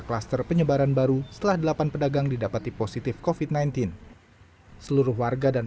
kluster penyebaran baru setelah delapan pedagang didapati positif kofit sembilan belas seluruh warga dan